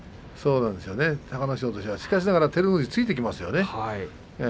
隆の勝としてはしかしながら、照ノ富士はついていきましたよね。